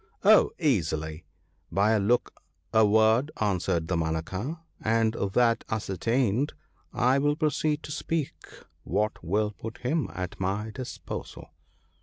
' Oh, easily ! by a look, a word/ answered Damanaka ;' and that ascertained, I will proceed to speak what will put him at my disposal.'